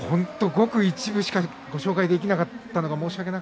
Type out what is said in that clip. ごく一部しかご紹介できなかったです。